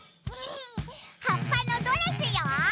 はっぱのドレスよ！